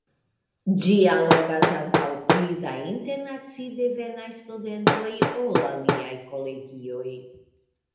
Ĝi allogas ankaŭ pli da internaci-devenaj studentoj ol aliaj kolegioj.